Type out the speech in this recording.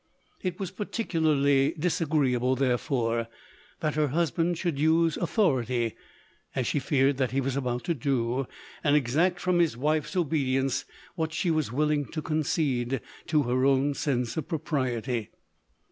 It was par ticularly disagreeable therefore, that her hus band should use authority, as she feared that he was about to do, and exact from his wife's obedience, what she was willing to concede to her own sense of propriety.